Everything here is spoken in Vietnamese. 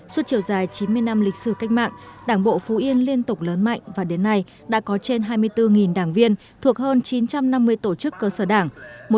suốt chiều dài chín mươi năm lịch sử cách mạng đảng bộ phú yên liên tục lớn mạnh và đến nay đã có trên hai mươi bốn đảng viên thuộc hơn chín trăm năm mươi tổ chức cơ sở đảng